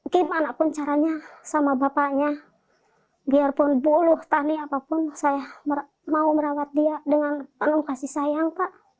gimana pun caranya sama bapaknya biarpun boluh tani apapun saya mau merawat dia dengan penuh kasih sayang pak